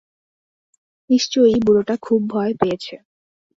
নিশ্চয়ই বুড়োটা খুব ভয় পেয়েছে।